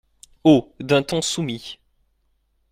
Haut, d’un ton soumis.